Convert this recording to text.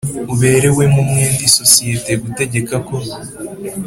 uburewemo umwenda isosiyete gutegeka ko